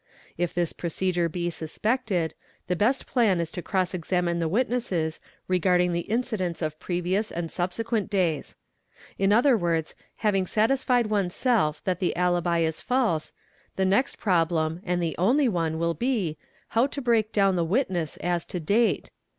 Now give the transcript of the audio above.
If this procedure be suspected, the best plan is to cross examine the witnesses regarding the incidents of pre vious and subsequent days. In other words, having satisfied oneself that | the alibi is false, the next problem and the only one will be, how to break" down the witness as to date?